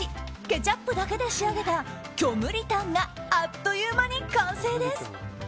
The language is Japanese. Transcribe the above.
ケチャップだけで仕上げた虚無リタンがあっという間に完成です。